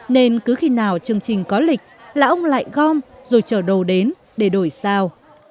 nên cứ khi nào chương trình có lịch là ông lại gom rồi chở đồ đến để đổi sao